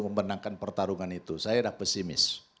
memenangkan pertarungan itu saya pesimis